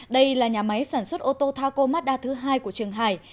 đây là nhà máy sản xuất ô tô taco mazda thứ hai của trường hải